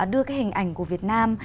đưa cái hình ảnh của việt nam